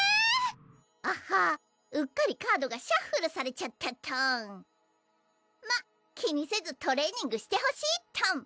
⁉アハうっかりカードがシャッフルされちゃったっトンまぁ気にせずトレーニングしてほしいっトン！